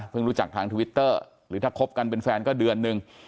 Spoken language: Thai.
รู้จักทางทวิตเตอร์หรือถ้าคบกันเป็นแฟนก็เดือนหนึ่ง